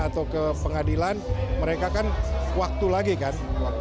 atau ke pengadilan mereka kan waktu lagi kan